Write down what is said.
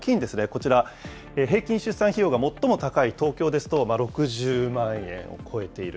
こちら、平均出産費用が最も高い東京ですと、６０万円を超えている。